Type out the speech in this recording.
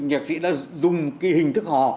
nhạc sĩ đã dùng cái hình thức họ